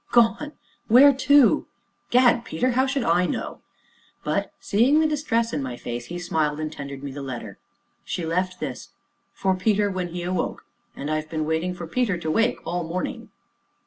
"Gone! where to?" "Gad, Peter! how should I know?" But, seeing the distress in my face, he smiled, and tendered me the letter. "She left this 'For Peter, when he awoke' and I've been waiting for Peter to wake all the morning."